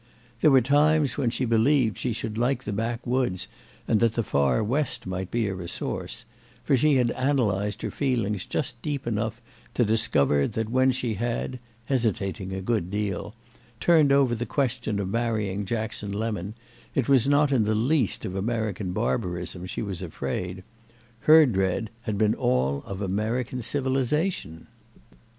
There were times when she believed she should like the backwoods and that the Far West might be a resource; for she had analysed her feelings just deep enough to discover that when she had—hesitating a good deal—turned over the question of marrying Jackson Lemon it was not in the least of American barbarism she was afraid; her dread had been all of American civilisation.